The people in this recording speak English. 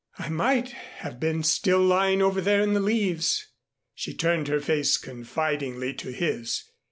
"I might have been still lying over there in the leaves." She turned her face confidingly to his.